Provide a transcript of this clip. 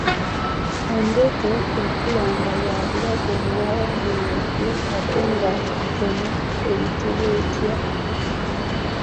Endeku ekula nga ya bulago buwanvuuyirivu ate nga butono eyitibwa etya?